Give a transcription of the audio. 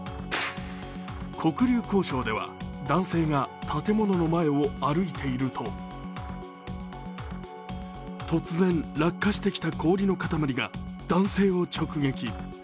黒竜江省では、男性が建物の前を歩いていると突然、落下してきた氷の塊が男性を直撃。